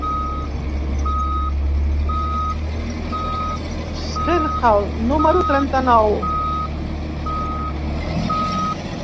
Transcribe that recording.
«Senhal», número trenta-nou.